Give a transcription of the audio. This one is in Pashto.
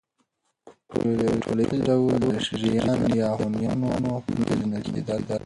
په ټوليز ډول د ژيان يا هونيانو په نوم پېژندل کېدل